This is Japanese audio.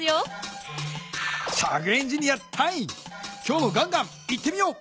今日もガンガンいってみよう！